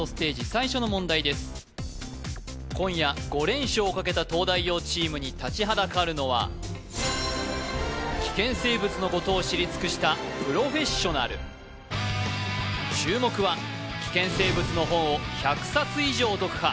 最初の問題です今夜５連勝をかけた東大王チームに立ちはだかるのは危険生物のことを知り尽くしたプロフェッショナル注目は危険生物の本を１００冊以上読破